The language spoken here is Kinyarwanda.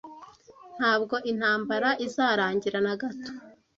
ntabwo intambara izarangira nagato